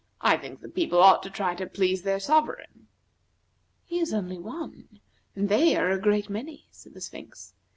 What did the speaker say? "I think the people ought to try to please their sovereign." "He is only one, and they are a great many," said the Sphinx.